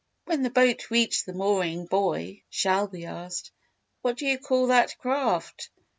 When the boat reached the mooring buoy Shelby asked, "What do you call that craft?"